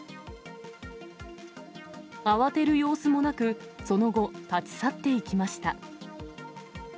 慌てる様子もなく、その後、立ち去っていきました。